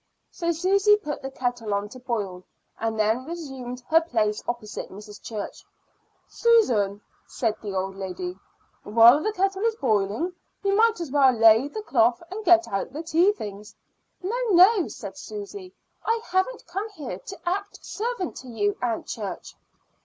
So Susy put the kettle on to boil, and then resumed her place opposite Mrs. Church. "Susan," said the old lady, "while the kettle is boiling you might as well lay the cloth and get out the tea things." "No, no," said Susy; "I haven't come here to act servant to you, Aunt Church."